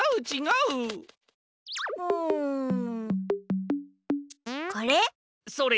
うん。これ？